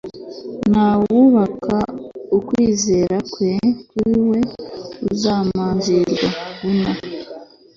nta wubakat ukwizera kwe kuri we uzamanjirwa u Nta